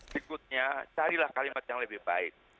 berikutnya carilah kalimat yang lebih baik